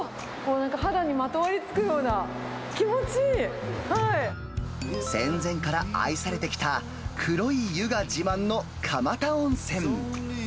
肌にまとわりつくような、戦前から愛されてきた黒い湯が自慢の蒲田温泉。